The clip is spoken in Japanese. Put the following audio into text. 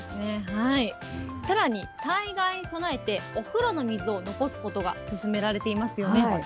さらに災害に備えて、お風呂の水を残すことが勧められていますよね。